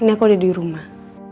ini aku ada di rumah